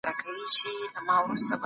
سګریټ پرېښودل ممکن دي.